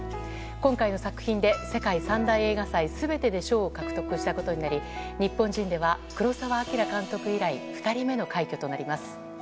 今回の作品で、世界３大映画祭すべてで賞を獲得したことになり、日本人では黒澤明監督以来２人目の快挙となります。